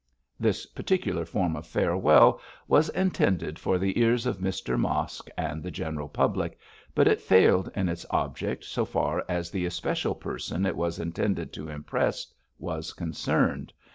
This particular form of farewell was intended for the ears of Mr Mosk and the general public, but it failed in its object so far as the especial person it was intended to impress was concerned.